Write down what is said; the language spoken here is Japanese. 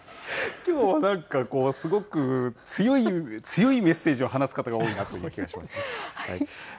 きょうはなんかこう、すごく強い、強いメッセージを放つ方が多いなという気がしますね。